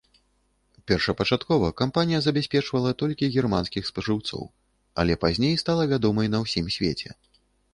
Першапачаткова кампанія забяспечвала толькі германскіх спажыўцоў, але пазней стала вядомай на ўсім свеце.